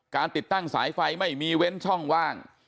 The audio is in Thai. ติดตั้งสายไฟไม่มีเว้นช่องว่าง